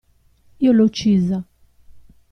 Io l'ho uccisa!